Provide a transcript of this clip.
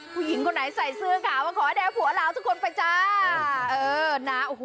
ผู้หญิงคนไหนใส่เสื้อขาวขอให้ได้ผัวลาวทุกคนไปจ้า